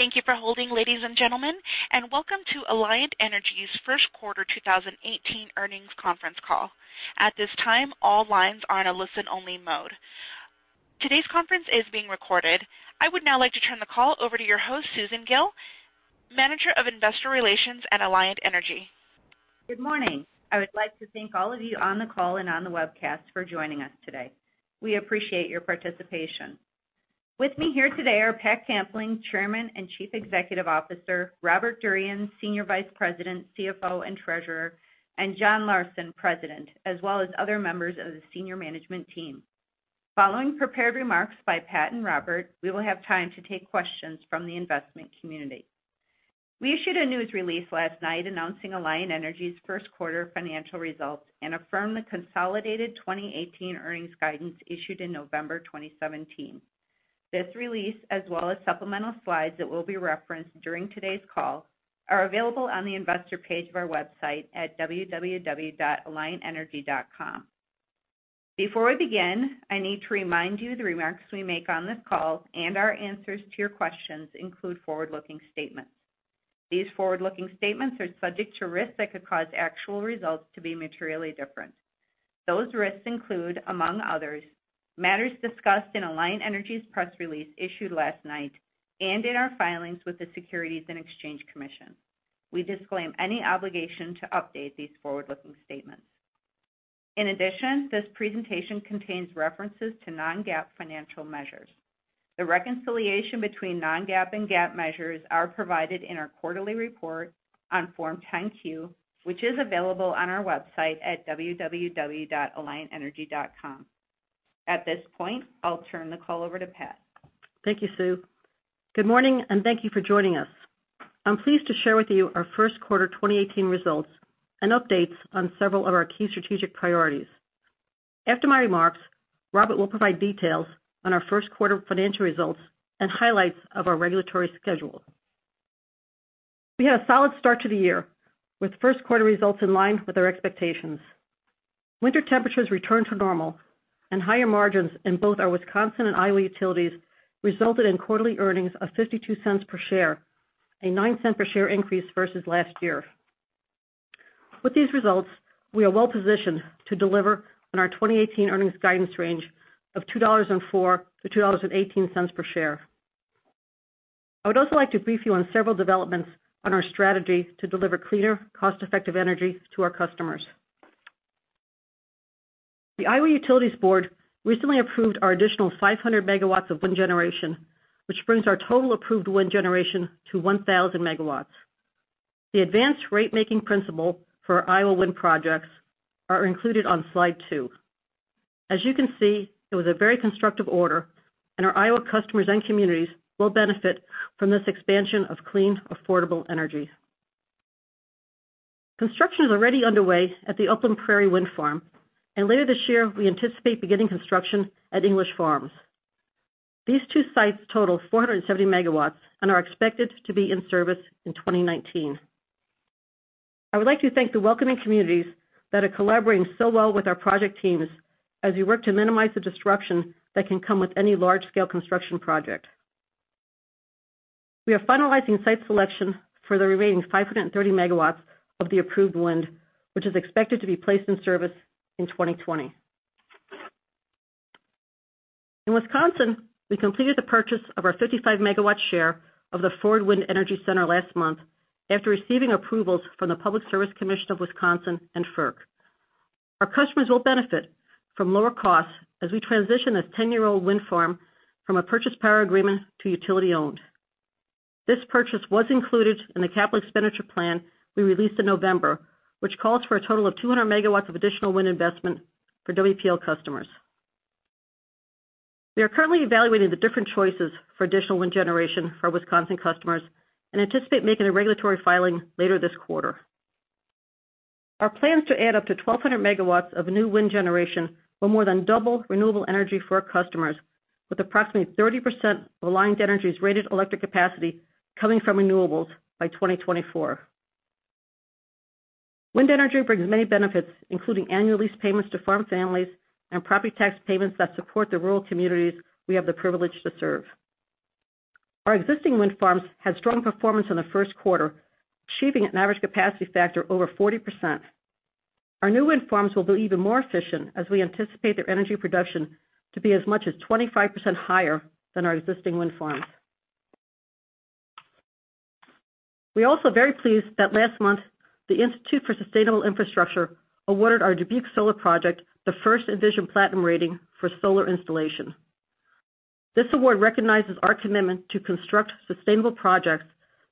Thank you for holding, ladies and gentlemen, and welcome to Alliant Energy's first quarter 2018 earnings conference call. At this time, all lines are in a listen-only mode. Today's conference is being recorded. I would now like to turn the call over to your host, Susan Gille, Manager of Investor Relations at Alliant Energy. Good morning. I would like to thank all of you on the call and on the webcast for joining us today. We appreciate your participation. With me here today are Patricia Kampling, Chairman and Chief Executive Officer, Robert Durian, Senior Vice President, CFO, and Treasurer, and John Larsen, President, as well as other members of the senior management team. Following prepared remarks by Pat and Robert, we will have time to take questions from the investment community. We issued a news release last night announcing Alliant Energy's first quarter financial results, and affirmed the consolidated 2018 earnings guidance issued in November 2017. This release, as well as supplemental slides that will be referenced during today's call, are available on the investor page of our website at www.alliantenergy.com. Before we begin, I need to remind you the remarks we make on this call, and our answers to your questions include forward-looking statements. These forward-looking statements are subject to risks that could cause actual results to be materially different. Those risks include, among others, matters discussed in Alliant Energy's press release issued last night and in our filings with the Securities and Exchange Commission. We disclaim any obligation to update these forward-looking statements. In addition, this presentation contains references to non-GAAP financial measures. The reconciliation between non-GAAP and GAAP measures are provided in our quarterly report on Form 10-Q, which is available on our website at www.alliantenergy.com. At this point, I'll turn the call over to Pat. Thank you, Sue. Good morning, and thank you for joining us. I'm pleased to share with you our first quarter 2018 results and updates on several of our key strategic priorities. After my remarks, Robert will provide details on our first quarter financial results and highlights of our regulatory schedule. We had a solid start to the year, with first quarter results in line with our expectations. Winter temperatures returned to normal, and higher margins in both our Wisconsin and Iowa utilities resulted in quarterly earnings of $0.52 per share, a $0.09 per share increase versus last year. With these results, we are well-positioned to deliver on our 2018 earnings guidance range of $2.04 to $2.18 per share. I would also like to brief you on several developments on our strategy to deliver cleaner, cost-effective energy to our customers. The Iowa Utilities Board recently approved our additional 500 megawatts of wind generation, which brings our total approved wind generation to 1,000 megawatts. The advanced rate-making principle for our Iowa wind projects are included on slide two. As you can see, it was a very constructive order, and our Iowa customers and communities will benefit from this expansion of clean, affordable energy. Construction is already underway at the Upland Prairie Wind Farm, and later this year, we anticipate beginning construction at English Farms. These two sites total 470 megawatts and are expected to be in service in 2019. I would like to thank the welcoming communities that are collaborating so well with our project teams as we work to minimize the disruption that can come with any large-scale construction project. We are finalizing site selection for the remaining 530 megawatts of the approved wind, which is expected to be placed in service in 2020. In Wisconsin, we completed the purchase of our 55-megawatt share of the Forward Wind Energy Center last month after receiving approvals from the Public Service Commission of Wisconsin and FERC. Our customers will benefit from lower costs as we transition this 10-year-old wind farm from a purchase power agreement to utility-owned. This purchase was included in the capital expenditure plan we released in November, which calls for a total of 200 megawatts of additional wind investment for WPL customers. We are currently evaluating the different choices for additional wind generation for our Wisconsin customers and anticipate making a regulatory filing later this quarter. Our plans to add up to 1,200 megawatts of new wind generation will more than double renewable energy for our customers, with approximately 30% of Alliant Energy's rated electric capacity coming from renewables by 2024. Wind energy brings many benefits, including annual lease payments to farm families and property tax payments that support the rural communities we have the privilege to serve. Our existing wind farms had strong performance in the first quarter, achieving an average capacity factor over 40%. Our new wind farms will be even more efficient, as we anticipate their energy production to be as much as 25% higher than our existing wind farms. We're also very pleased that last month, the Institute for Sustainable Infrastructure awarded our Dubuque solar project the first Envision Platinum rating for solar installation. This award recognizes our commitment to construct sustainable projects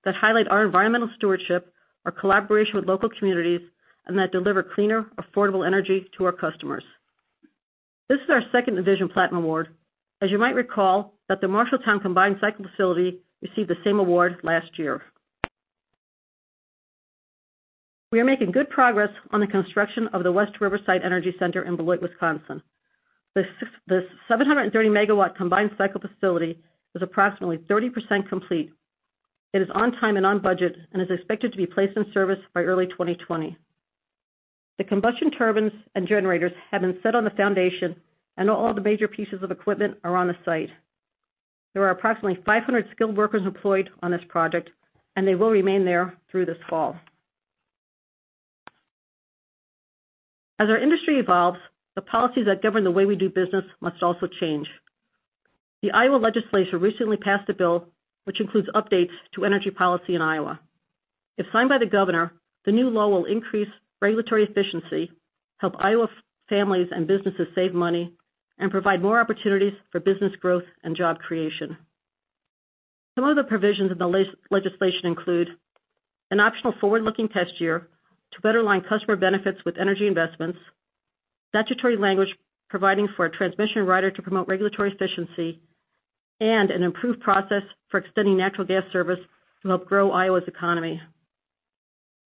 that highlight our environmental stewardship, our collaboration with local communities, and that deliver cleaner, affordable energy to our customers. This is our second Envision Platinum award, as you might recall, that the Marshalltown Combined Cycle Facility received the same award last year. We are making good progress on the construction of the West Riverside Energy Center in Beloit, Wisconsin. The 730-megawatt combined cycle facility is approximately 30% complete. It is on time and on budget and is expected to be placed in service by early 2020. The combustion turbines and generators have been set on the foundation, and all the major pieces of equipment are on the site. There are approximately 500 skilled workers employed on this project, and they will remain there through this fall. As our industry evolves, the policies that govern the way we do business must also change. The Iowa legislature recently passed a bill which includes updates to energy policy in Iowa. If signed by the governor, the new law will increase regulatory efficiency, help Iowa families and businesses save money, and provide more opportunities for business growth and job creation. Some of the provisions in the legislation include: an optional forward-looking test year to better align customer benefits with energy investments, statutory language providing for a transmission rider to promote regulatory efficiency, and an improved process for extending natural gas service to help grow Iowa's economy.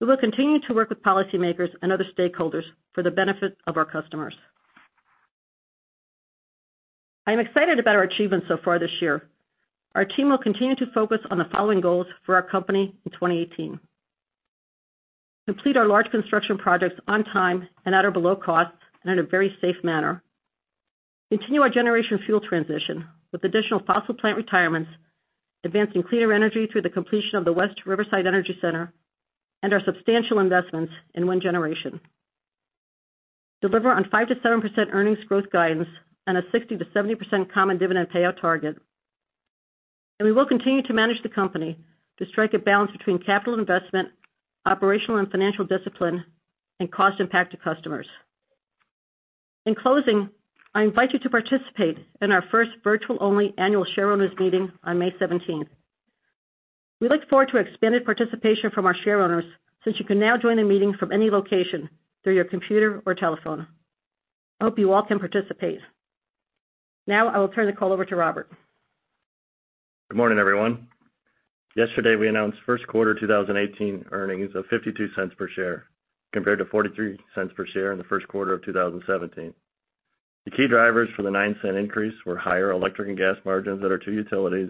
We will continue to work with policymakers and other stakeholders for the benefit of our customers. I am excited about our achievements so far this year. Our team will continue to focus on the following goals for our company in 2018. Complete our large construction projects on time and at or below cost, and in a very safe manner. Continue our generation fuel transition with additional fossil plant retirements, advancing cleaner energy through the completion of the West Riverside Energy Center, and our substantial investments in wind generation. Deliver on 5%-7% earnings growth guidance and a 60%-70% common dividend payout target. We will continue to manage the company to strike a balance between capital investment, operational and financial discipline, and cost impact to customers. In closing, I invite you to participate in our first virtual-only annual shareowners meeting on May 17th. We look forward to expanded participation from our shareowners, since you can now join the meeting from any location through your computer or telephone. I hope you all can participate. I will turn the call over to Robert. Good morning, everyone. Yesterday, we announced first quarter 2018 earnings of $0.52 per share, compared to $0.43 per share in the first quarter of 2017. The key drivers for the $0.09 increase were higher electric and gas margins at our two utilities,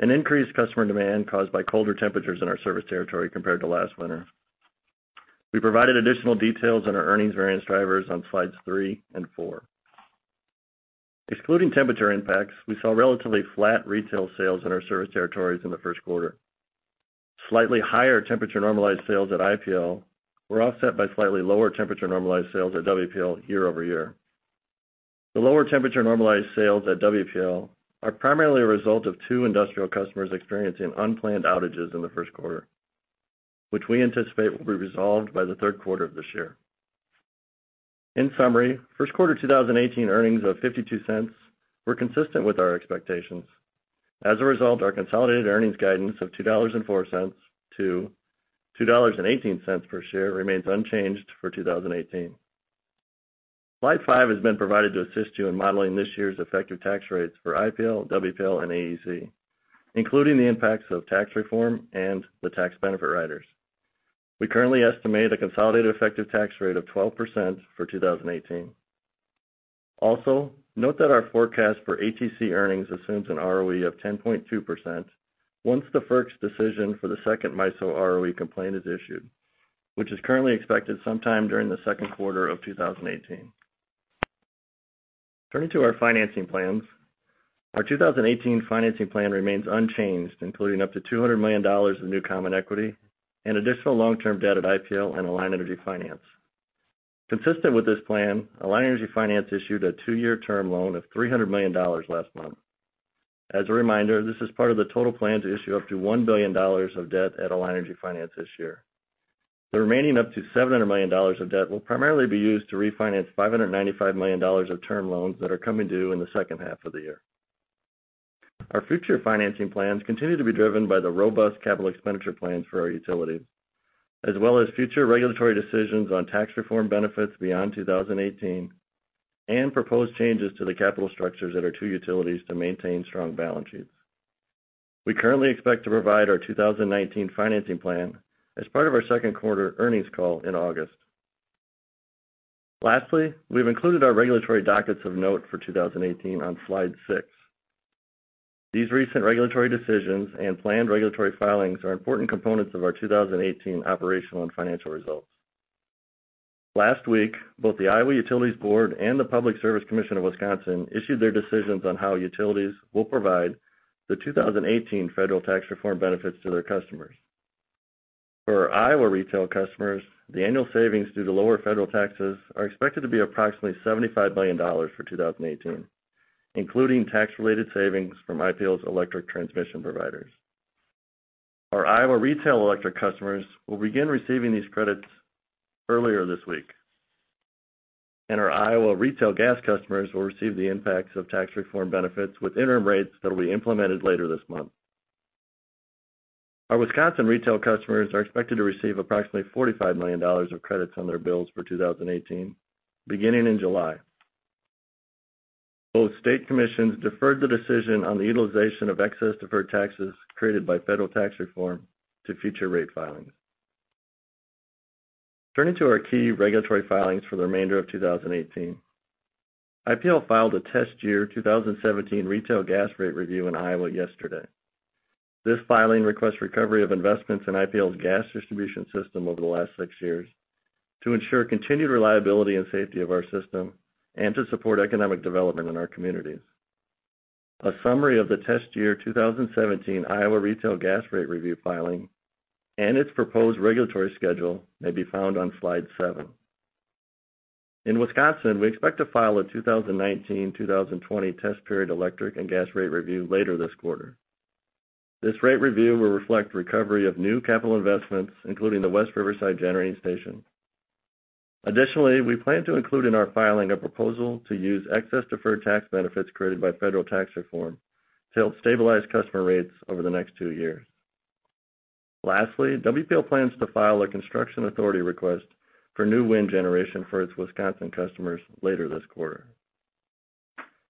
and increased customer demand caused by colder temperatures in our service territory compared to last winter. We provided additional details on our earnings variance drivers on slides three and four. Excluding temperature impacts, we saw relatively flat retail sales in our service territories in the first quarter. Slightly higher temperature-normalized sales at IPL were offset by slightly lower temperature-normalized sales at WPL year-over-year. The lower temperature-normalized sales at WPL are primarily a result of two industrial customers experiencing unplanned outages in the first quarter, which we anticipate will be resolved by the third quarter of this year. In summary, first quarter 2018 earnings of $0.52 were consistent with our expectations. As a result, our consolidated earnings guidance of $2.04-$2.18 per share remains unchanged for 2018. Slide five has been provided to assist you in modeling this year's effective tax rates for IPL, WPL, and AEC, including the impacts of tax reform and the tax benefit riders. We currently estimate a consolidated effective tax rate of 12% for 2018. Note that our forecast for ATC earnings assumes an ROE of 10.2% once the FERC's decision for the second MISO ROE complaint is issued, which is currently expected sometime during the second quarter of 2018. Turning to our financing plans, our 2018 financing plan remains unchanged, including up to $200 million in new common equity and additional long-term debt at IPL and Alliant Energy Finance. Consistent with this plan, Alliant Energy Finance issued a two-year term loan of $300 million last month. As a reminder, this is part of the total plan to issue up to $1 billion of debt at Alliant Energy Finance this year. The remaining up to $700 million of debt will primarily be used to refinance $595 million of term loans that are coming due in the second half of the year. Our future financing plans continue to be driven by the robust capital expenditure plans for our utility, as well as future regulatory decisions on tax reform benefits beyond 2018, and proposed changes to the capital structures at our two utilities to maintain strong balance sheets. We currently expect to provide our 2019 financing plan as part of our second quarter earnings call in August. Lastly, we've included our regulatory dockets of note for 2018 on slide six. These recent regulatory decisions and planned regulatory filings are important components of our 2018 operational and financial results. Last week, both the Iowa Utilities Board and the Public Service Commission of Wisconsin issued their decisions on how utilities will provide the 2018 federal tax reform benefits to their customers. For our Iowa retail customers, the annual savings due to lower federal taxes are expected to be approximately $75 million for 2018, including tax-related savings from IPL's electric transmission providers. Our Iowa retail electric customers will begin receiving these credits earlier this week. Our Iowa retail gas customers will receive the impacts of tax reform benefits with interim rates that will be implemented later this month. Our Wisconsin retail customers are expected to receive approximately $45 million of credits on their bills for 2018, beginning in July. Both state commissions deferred the decision on the utilization of excess deferred taxes created by federal tax reform to future rate filings. Turning to our key regulatory filings for the remainder of 2018. IPL filed a test year 2017 retail gas rate review in Iowa yesterday. This filing requests recovery of investments in IPL's gas distribution system over the last six years to ensure continued reliability and safety of our system and to support economic development in our communities. A summary of the test year 2017 Iowa retail gas rate review filing and its proposed regulatory schedule may be found on slide seven. In Wisconsin, we expect to file a 2019-2020 test period electric and gas rate review later this quarter. This rate review will reflect recovery of new capital investments, including the West Riverside Generating Station. Additionally, we plan to include in our filing a proposal to use excess deferred tax benefits created by federal tax reform to help stabilize customer rates over the next two years. Lastly, WPL plans to file a construction authority request for new wind generation for its Wisconsin customers later this quarter.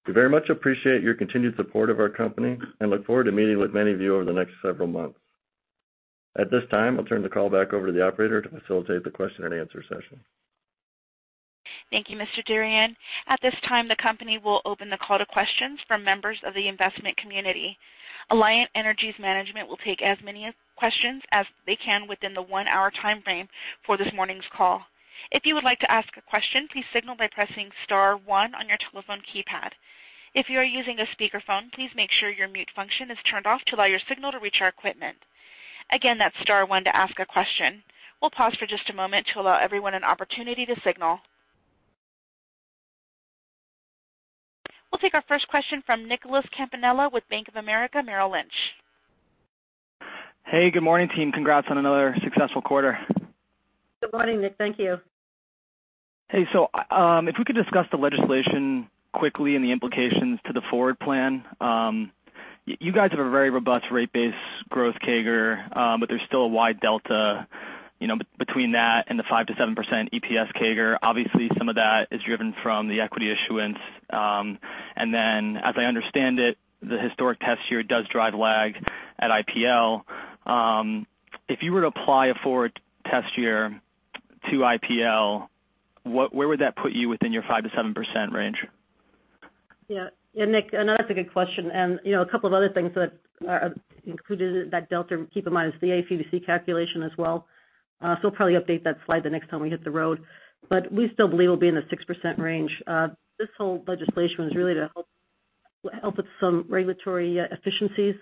We very much appreciate your continued support of our company and look forward to meeting with many of you over the next several months. At this time, I'll turn the call back over to the operator to facilitate the question and answer session. Thank you, Mr. Durian. At this time, the company will open the call to questions from members of the investment community. Alliant Energy's management will take as many questions as they can within the one-hour timeframe for this morning's call. If you would like to ask a question, please signal by pressing star one on your telephone keypad. If you are using a speakerphone, please make sure your mute function is turned off to allow your signal to reach our equipment. Again, that's star one to ask a question. We'll pause for just a moment to allow everyone an opportunity to signal. We'll take our first question from Nicholas Campanella with Bank of America Merrill Lynch. Hey, good morning, team. Congrats on another successful quarter. Good morning, Nick. Thank you. If we could discuss the legislation quickly and the implications to the forward plan. You guys have a very robust rate base growth CAGR, but there's still a wide delta between that and the 5%-7% EPS CAGR. Obviously, some of that is driven from the equity issuance, as I understand it, the historic test year does drive lag at IPL. If you were to apply a forward test year to IPL, where would that put you within your 5%-7% range? Yes. Yes, Nick, no, that is a good question. A couple of other things that are included in that delta, keep in mind, is the ABC calculation as well. We will probably update that slide the next time we hit the road. We still believe we will be in the 6% range. This whole legislation was really to help with some regulatory efficiencies,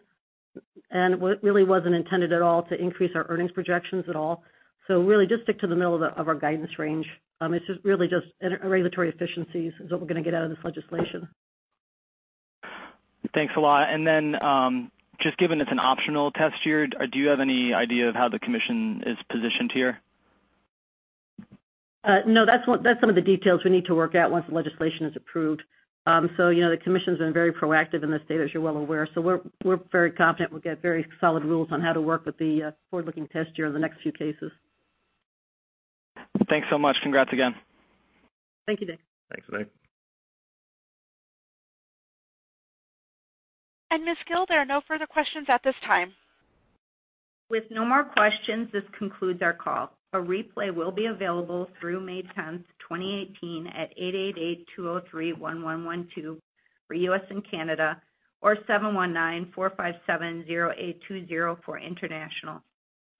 and it really was not intended at all to increase our earnings projections at all. Really just stick to the middle of our guidance range. It is really just regulatory efficiencies is what we are going to get out of this legislation. Thanks a lot. Then, just given it is an optional test year, do you have any idea of how the commission is positioned here? No. That is some of the details we need to work out once the legislation is approved. The commission has been very proactive in this state, as you are well aware. We are very confident we will get very solid rules on how to work with the forward-looking test year in the next few cases. Thanks so much. Congrats again. Thank you, Nick. Thanks, Nick. Ms. Gille, there are no further questions at this time. With no more questions, this concludes our call. A replay will be available through May 10th, 2018 at 888-203-1112 for U.S. and Canada, or 719-457-0820 for international.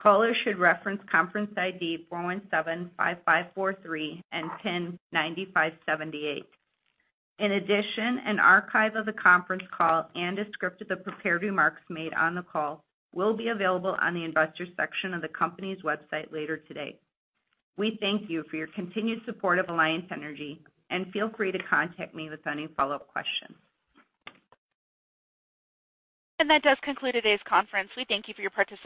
Callers should reference conference ID 4175543 and PIN 9578. In addition, an archive of the conference call and a script of the prepared remarks made on the call will be available on the investors section of the company's website later today. We thank you for your continued support of Alliant Energy, and feel free to contact me with any follow-up questions. That does conclude today's conference. We thank you for your participation.